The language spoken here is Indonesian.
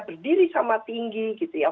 berdiri sama tinggi gitu ya